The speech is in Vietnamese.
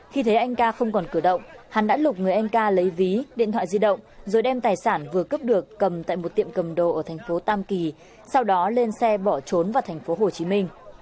khi thấy anh ca không còn cử động hắn đã lục người anh ca lấy ví điện thoại di động rồi đem tài sản vừa cướp được cầm tại một tiệm cầm đồ ở thành phố tam kỳ sau đó lên xe bỏ trốn vào thành phố hồ chí minh